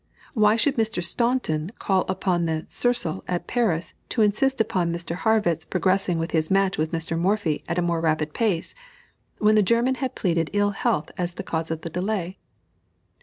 Why should Mr. Staunton call upon the cercle at Paris to insist upon Mr. Harrwitz progressing with his match with Mr. Morphy at a more rapid pace, when the German had pleaded ill health as the cause of the delay?